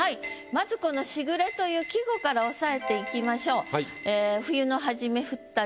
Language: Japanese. まずこの「時雨」という季語から押さえていきましょう。